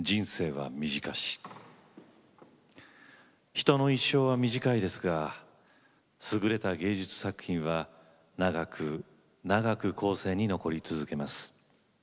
人の一生は短いですが優れた芸術作品は長く長く後世に残り続けます。